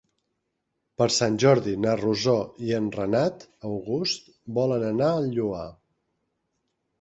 Per Sant Jordi na Rosó i en Renat August volen anar al Lloar.